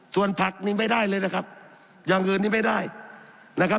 ส่วนผักนี่ไม่ได้เลยนะครับอย่างอื่นนี่ไม่ได้นะครับ